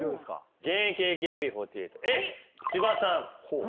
現役ＡＫＢ４８エース千葉さん。